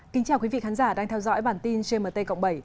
kính chào quý vị khán giả đang theo dõi bản tin gmt cộng bảy